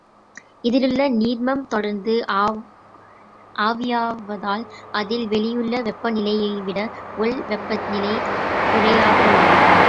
இதிலுள்ள நீர்மம் தொடர்ந்து ஆவியாவதால், அதில் வெளியிலுள்ள வெப்ப நிலையைவிட உள் வெப்பநிலை குறைவாக உள்ளது.